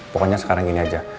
pokoknya sekarang gini aja